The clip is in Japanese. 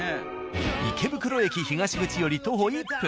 池袋駅東口より徒歩１分。